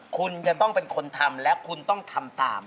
คุณจะต้องเป็นคนทำและคุณต้องทำตาม